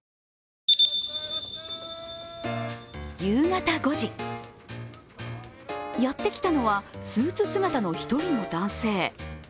夕方５時、やってきたのはスーツ姿の一人の男性。